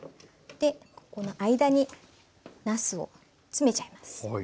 ここの間になすを詰めちゃいます。